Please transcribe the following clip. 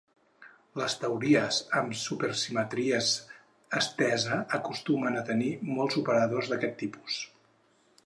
Les teories amb supersimetria estesa acostumen a tenir molts operadors d'aquest tipus.